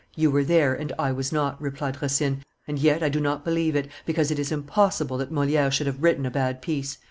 "You were there, and I was not," replied Racine, "and yet I don't believe it, because it is impossible that Moliere should have written a bad piece.